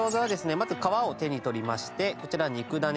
まず皮を手に取りましてこちら肉ダネ。